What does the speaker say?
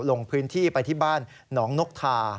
ลงพื้นที่ไปที่บ้านหนองนกทา